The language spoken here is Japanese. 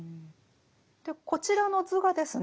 こちらの図がですね